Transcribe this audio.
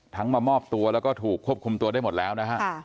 มามอบตัวแล้วก็ถูกควบคุมตัวได้หมดแล้วนะฮะ